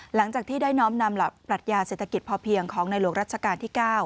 หลังจากที่ได้น้อมนำหลักปรัชญาเศรษฐกิจพอเพียงของในหลวงรัชกาลที่๙